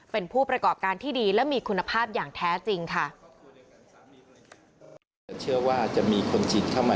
เป็นผู้ประกอบการที่ดีและมีคุณภาพอย่างแท้จริงค่ะ